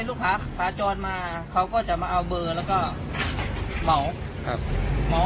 ลูกค้าประจำและเขาก็จะมาเอาเบอร์และหมอ